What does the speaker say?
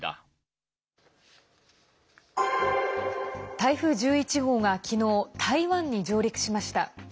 台風１１号が昨日台湾に上陸しました。